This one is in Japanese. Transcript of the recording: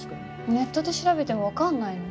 ネットで調べてもわかんないの。